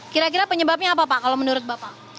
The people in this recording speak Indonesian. kira kira penyebabnya apa pak kalau menurut bapak